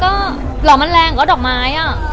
ก็หล่อมันแรงกว่าดอกไม้อ่ะ